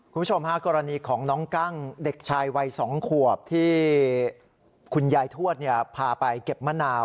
คุณผู้ชมฮะกรณีของน้องกั้งเด็กชายวัย๒ขวบที่คุณยายทวดพาไปเก็บมะนาว